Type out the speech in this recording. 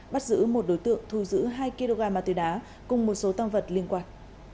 bắt giữ một đối tượng thu giữ hai kg ma túy đá cùng một số tăng vật liên quan